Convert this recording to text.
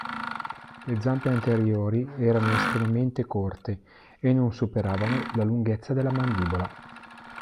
Le zampe anteriori erano estremamente corte e non superavano la lunghezza della mandibola.